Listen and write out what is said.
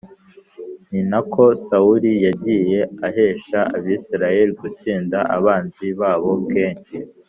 Ni na ko sawuli yagiye ahesha abisirayeli gutsinda abanzi babo kenshi